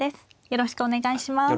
よろしくお願いします。